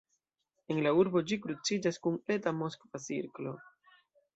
En la urbo ĝi kruciĝas kun Eta Moskva cirklo.